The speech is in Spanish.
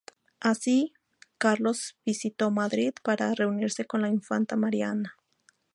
Así, Carlos visitó Madrid para reunirse con la infanta María Ana.